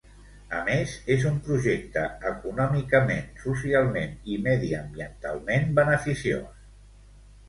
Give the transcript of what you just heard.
A més, és un projecte econòmicament, socialment i mediambientalment beneficiós.